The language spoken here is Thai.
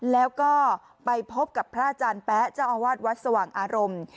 แล้วก็ไปพบกับพระอาจารย์แป๊ะเจ้าอาวาสวัดสว่างอารมณ์